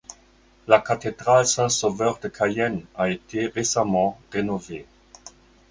La cathédrale Saint-Sauveur de Cayenne a été récemment rénovée.